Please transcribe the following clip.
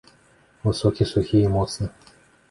Высокі, сухі і моцны.